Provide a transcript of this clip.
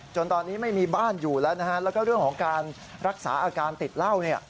ตอนนี้ไม่มีบ้านอยู่แล้วนะฮะแล้วก็เรื่องของการรักษาอาการติดเหล้าเนี่ย